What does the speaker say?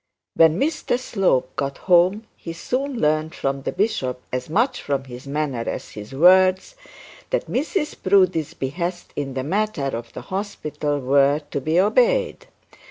When Mr Slope got home he soon learnt from the bishop, as much from his manner as his words, that Mrs Proudie's behests in the matter of the hospital were to be obeyed.